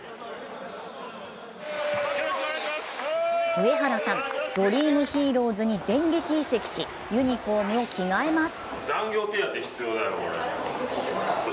上原さん、ドリームヒーローズに電撃移籍しユニフォームを着替えます。